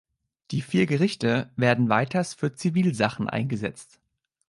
Die vier Gerichte werden weiters für Zivilsachen eingesetzt.